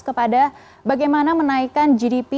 kepada bagaimana menaikkan gdp